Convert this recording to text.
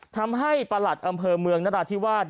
ประหลัดอำเภอเมืองนราธิวาส